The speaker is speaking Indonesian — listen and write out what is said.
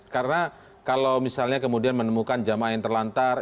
karena kalau misalnya kemudian menemukan jamaah yang terlantar